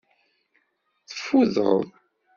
Teffudeḍ.